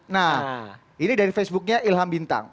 nah ini dari facebooknya ilham bintang